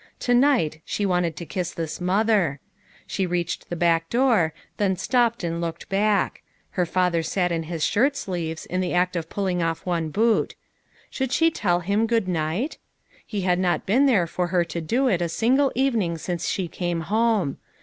To night, she wanted to kiss this mother. She reached the back door, then stopped and looked back ; her father sat in his shirt sleeves, in the act of pul LONG STORIES TO TELL. 141 ling off one boot. Should she tell him good night ? He had not been there for her to do it a single evening since she came home.